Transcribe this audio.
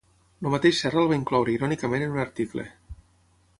El mateix Serra el va incloure irònicament en un article.